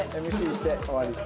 ＭＣして終わり。